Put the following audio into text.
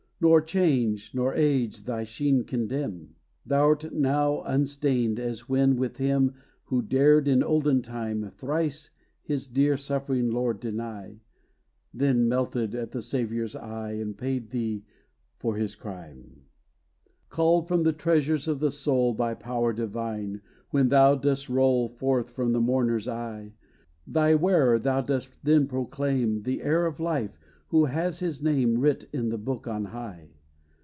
Nor change, nor age thy sheen can dim; Thou 'rt now unstained as when with him, Who dared, in olden time, Thrice his dear, suffering Lord deny; Then, melted at the Saviour's eye, And paid thee for his crime. Called from the treasures of the soul By power divine, when thou dost roll Forth from the mourner's eye, Thy wearer thou dost then proclaim The heir of life, who has his name Writ in the Book on high.